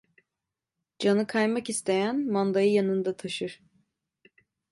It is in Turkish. Canı kaymak isteyen, mandayı yanında taşır.